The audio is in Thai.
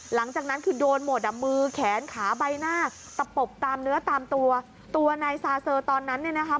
หลังจากนั้นคือโดนหมดอ่ะมือแขนขาใบหน้าตะปบตามเนื้อตามตัวตัวนายซาเซอร์ตอนนั้นเนี่ยนะคะ